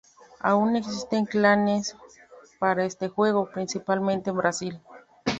Aún existen clanes para este juego, principalmente en Brasil.